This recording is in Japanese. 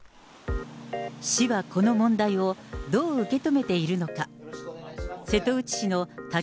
市はこの問題をどう受け止めているのか。